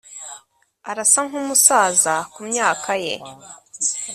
arasa nkumusaza kumyaka ye